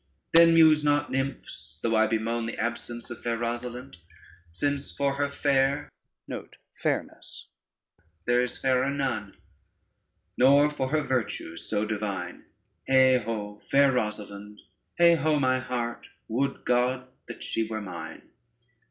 Then muse not, nymphs, though I bemoan The absence of fair Rosalynde, Since for her fair there is fairer none, Nor for her virtues so divine: Heigh ho, fair Rosalynde. Heigh ho, my heart, would God that she were mine!